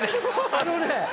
あのね。